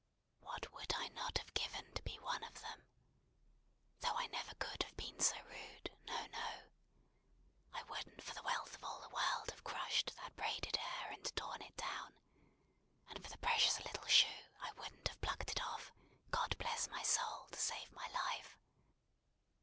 What would I not have given to be one of them! Though I never could have been so rude, no, no! I wouldn't for the wealth of all the world have crushed that braided hair, and torn it down; and for the precious little shoe, I wouldn't have plucked it off, God bless my soul! to save my life.